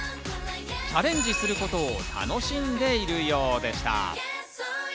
チャレンジすることを楽しんでいるようでした。